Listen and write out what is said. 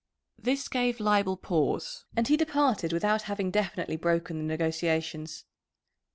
This gave Leibel pause, and he departed without having definitely broken the negotiations.